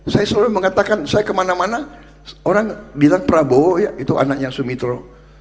saya selalu mengatakan saya kemana mana orang bilang prabowo ya itu anaknya sumitro